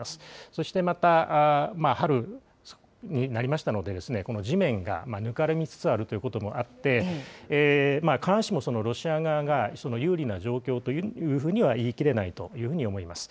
そして、また春になりましたので、この地面がぬかるみつつあるということもありまして、必ずしもロシア側が有利な状況というふうには言いきれないというふうに思います。